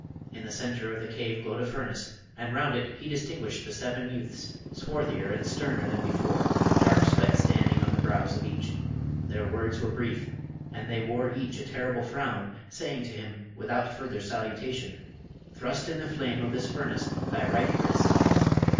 In the centre of the cave glowed a furnace, and round it he distinguished the seven youths, swarthier and sterner than before, dark sweat standing on the brows of each. Their words were brief, and they wore each a terrible frown, saying to him, without further salutation, 'Thrust in the flame of this furnace thy right wrist.'